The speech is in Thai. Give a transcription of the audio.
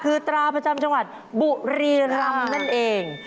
คือตราประจำจังหวัดบุรีรำนั่นเอง